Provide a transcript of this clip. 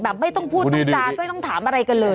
ไม่ต้องพูดต้องจานไม่ต้องถามอะไรกันเลย